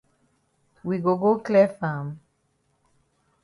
We go go clear farm?